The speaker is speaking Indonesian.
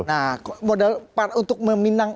nah modal untuk meminang